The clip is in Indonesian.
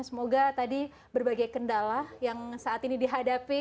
semoga tadi berbagai kendala yang saat ini dihadapi